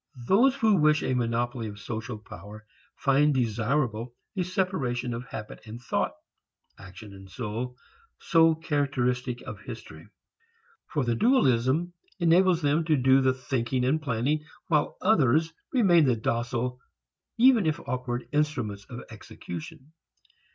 Those who wish a monopoly of social power find desirable the separation of habit and thought, action and soul, so characteristic of history. For the dualism enables them to do the thinking and planning, while others remain the docile, even if awkward, instruments of execution.